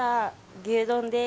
牛丼です。